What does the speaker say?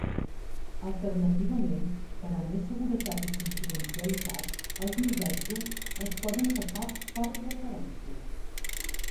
Alternativament, per a més seguretat i confidencialitat, els missatges es poden passar "per referència".